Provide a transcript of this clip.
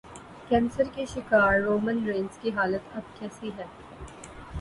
cancer کے شکار Roman Reigns کی حالت اب کیسی ہے